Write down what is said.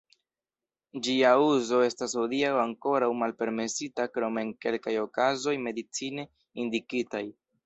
Ĝia uzo estas hodiaŭ ankoraŭ malpermesita krom en kelkaj okazoj medicine indikitaj.